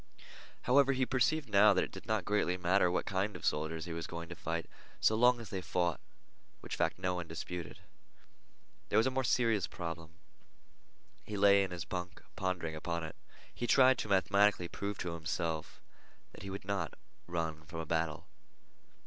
However, he perceived now that it did not greatly matter what kind of soldiers he was going to fight, so long as they fought, which fact no one disputed. There was a more serious problem. He lay in his bunk pondering upon it. He tried to mathematically prove to himself that he would not run from a battle.